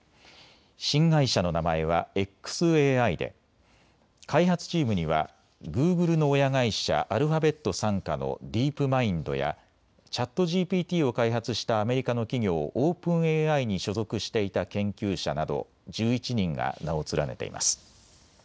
新会社の名前はｘＡＩで開発チームにはグーグルの親会社、アルファベット傘下のディープマインドやＣｈａｔＧＰＴを開発したアメリカの企業、オープンＡＩに所属していた研究者など１１人が名を連ねています。